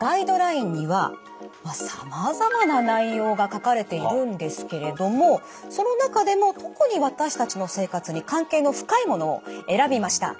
ガイドラインにはさまざま内容が書かれているんですけれどもその中でも特に私たちの生活に関係の深いものを選びました。